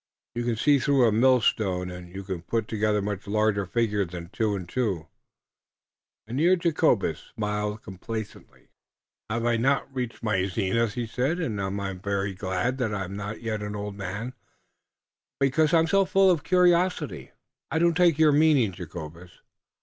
You can see through a mill stone, and you can put together much larger figures than two and two." Mynheer Jacobus smiled complacently. "I haf not yet reached my zenith," he said, "und I am very glad I am not yet an old man, because I am so full of curiosity." "I don't take your meaning, Jacobus."